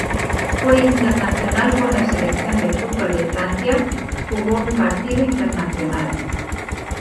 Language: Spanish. Fue internacional con la selección de fútbol de Francia, jugó un partido internacional.